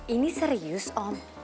ini serius om